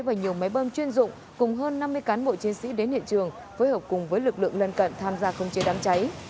và nhiều máy bơm chuyên dụng cùng hơn năm mươi cán bộ chiến sĩ đến hiện trường phối hợp cùng với lực lượng lân cận tham gia không chế đám cháy